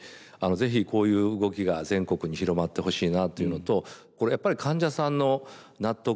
是非こういう動きが全国に広まってほしいなというのとこれやっぱり患者さんの納得